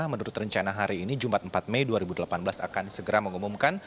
menurut rencana hari ini jumat empat mei dua ribu delapan belas akan segera mengumumkan